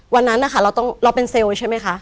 วันนั้นรอเป็นเซลล์ใช่มั้ยคะ